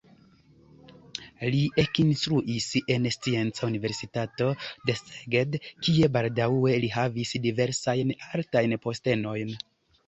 Li ekinstruis en Scienca Universitato de Szeged, kie baldaŭe li havis diversajn altajn postenojn.